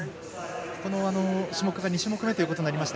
この種目が２種目めとなりました。